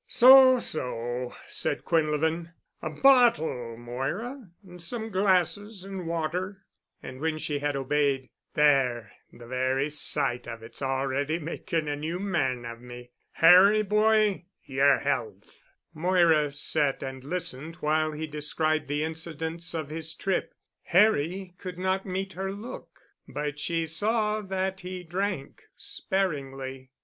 "So, so," said Quinlevin. "A bottle, Moira—and some glasses and water," and when she had obeyed, "There—the very sight of it's already making a new man of me. Harry, boy—yer health." Moira sat and listened while he described the incidents of his trip. Harry could not meet her look, but she saw that he drank sparingly.